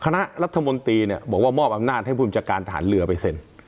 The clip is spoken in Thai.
คณะรัฐมนตรีเนี่ยบอกว่ามอบอำนาจให้ผู้บัญชาการทหารเรือไปเซ็น